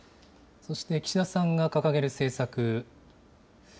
そして岸田さんが掲げる政策。